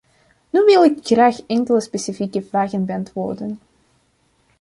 Nu wil ik graag enkele specifieke vragen beantwoorden.